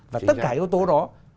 và tất cả yếu tố đó